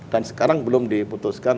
dan sekarang belum diputuskan